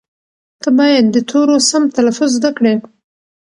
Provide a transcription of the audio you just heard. ته باید د تورو سم تلفظ زده کړې.